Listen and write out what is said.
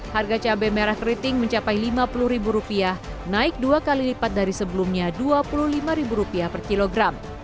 harga cabai merah keriting mencapai rp lima puluh naik dua kali lipat dari sebelumnya rp dua puluh lima per kilogram